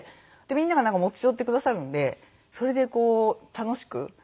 みんながなんか持ち寄ってくださるんでそれでこう楽しく。